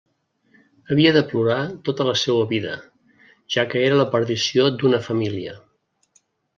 Havia de plorar tota la seua vida, ja que era la perdició d'una família.